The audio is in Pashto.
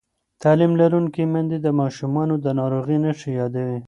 تعلیم لرونکې میندې د ماشومانو د ناروغۍ نښې یادوي.